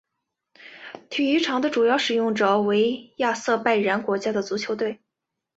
体育场的主要使用者将为亚塞拜然国家足球队。